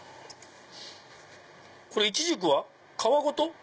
イチジクは皮ごと？